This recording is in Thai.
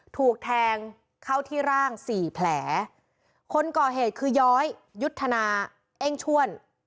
ถูกแทงเข้าที่ร่างสี่แผลคนก่อเหตุคือย้อยยุทธนาเอ้งชวน